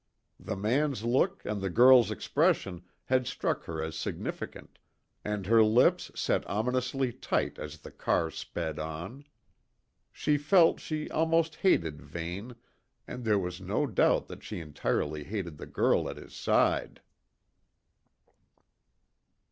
The man's look and the girl's expression had struck her as significant; and her lips set ominously tight as the car sped on. She felt she almost hated Vane, and there was no doubt that she entirely hated the girl at his side.